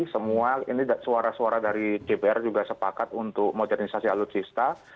semua ini suara suara dari dpr juga sepakat untuk modernisasi alutsista